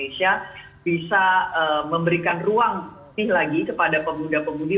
tapi juga pimpinan pimpinan indonesia bisa memberikan ruang lagi kepada pemuda pemudi